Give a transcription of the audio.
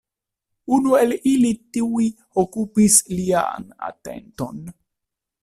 Unu el ili tuj okupis lian atenton.